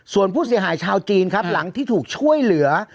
ส่วนผู้เสียหายชาวจีนครับหลังที่ถูกช่วยเหลือ